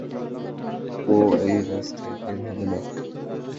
ও এই রাস্তায় বের হবে না।